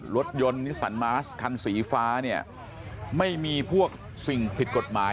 รถยนต์นิสันมาสคันสีฟ้าเนี่ยไม่มีพวกสิ่งผิดกฎหมาย